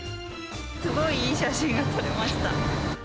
すごいいい写真が撮れました。